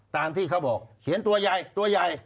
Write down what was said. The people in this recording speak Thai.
ที่เขาบอกเขียนตัวใหญ่ตัวใหญ่